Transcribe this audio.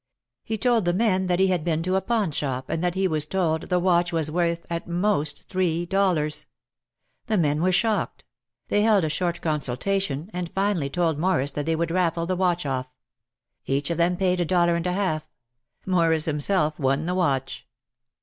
He told the men that he had been to a pawn shop and that he was told the watch was worth at most three dollars. The men were shocked. They held a short consultation and finally told Morris that they would raffle the watch off. Each of them paid a dollar and a half. Morris himself won the watch.